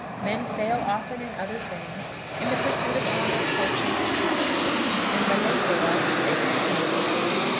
Men fail often in other things, in the pursuit of honour, fortune, or power, and when they fail they can begin again.